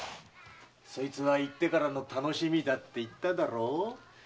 そいつは行ってからの楽しみだって言っただろう？